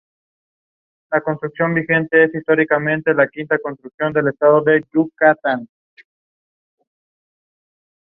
La escuela se llama Cesar Chavez High School.